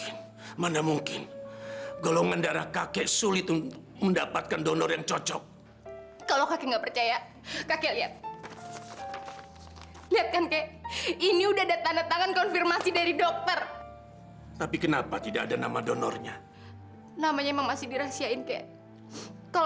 nadia juga sayang banget sama kakek